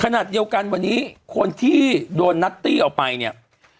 ขนาดเดียวกันวันนี้คนที่โดนนัตตี้ออกไปเนี่ย